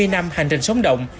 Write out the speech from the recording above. hai mươi năm hành trình sóng động